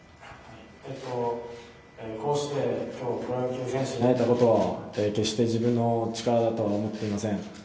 こうして今日プロ野球選手になれたことは決して、自分の力だとは思っていません。